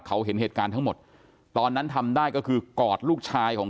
เขาเห็นเหตุการณ์ทั้งหมดตอนนั้นทำได้ก็คือกอดลูกชายของ